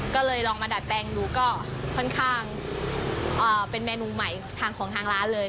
ก็เลยลองมาดัดแปลงดูก็ค่อนข้างเป็นเมนูใหม่ของทางร้านเลย